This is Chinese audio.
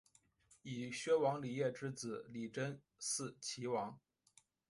以薛王李业之子李珍嗣岐王。